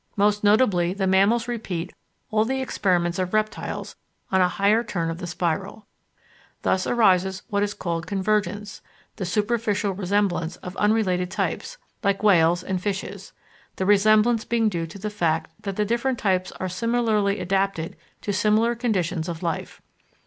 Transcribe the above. Most notably the mammals repeat all the experiments of reptiles on a higher turn of the spiral. Thus arises what is called convergence, the superficial resemblance of unrelated types, like whales and fishes, the resemblance being due to the fact that the different types are similarly adapted to similar conditions of life.